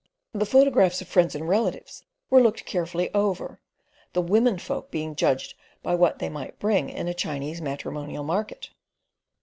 The photographs of friends and relatives were looked carefully over, the womenfolk being judged by what they might bring in a Chinese matrimonial market.